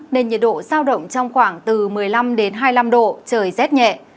nên nhiệt độ sao động trong khoảng từ một mươi năm đến hai mươi năm độ trời rét nhẹ